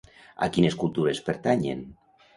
A quines cultures pertanyen?